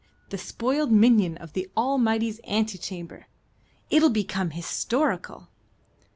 'The spoiled minion of the Almighty's ante chamber.' It'll become historical."